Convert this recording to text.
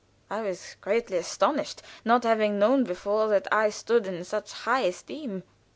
I was greatly astonished, not having known before that I stood in such high esteem.